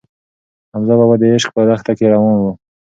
حمزه بابا د عشق په دښته کې روان و.